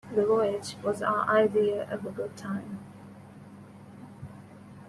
The voyage was our idea of a good time.